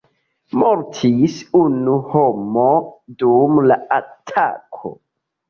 Mortis unu homo dum la atako.